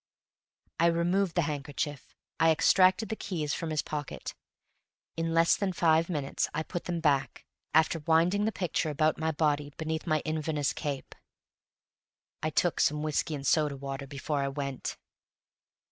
I removed the handkerchief; I extracted the keys from his pocket. In less than five minutes I put them back, after winding the picture about my body beneath my Inverness cape. I took some whiskey and soda water before I went.